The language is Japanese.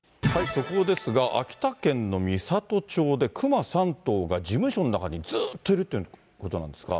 速報ですが、秋田県の美郷町でクマ３頭が事務所の中にずっといるということなんですが。